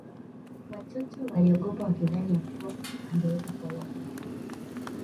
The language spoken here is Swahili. Watoto waliogopa wakidhani ya kuwa angeweza kuwaua pia